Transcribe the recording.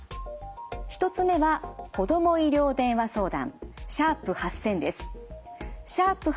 １つ目は子ども医療でんわ相談。